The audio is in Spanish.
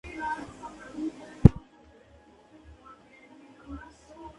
No abandona completamente la poesía amorosa, pero es menos escandaloso.